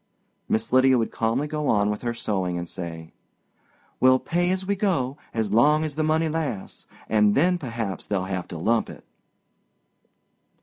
Miss Lydia would calmly go on with her sewing and say, "We'll pay as we go as long as the money lasts, and then perhaps they'll have to lump it."